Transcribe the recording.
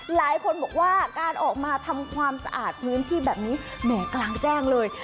หลายคนบอกว่าการออกมาทำความสะอาดพื้นที่แบบนี้แหมกลางแจ้งเลย